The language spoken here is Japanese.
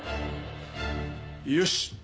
よし！